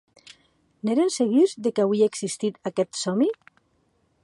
N’èren segurs de qué auie existit aqueth sòmi?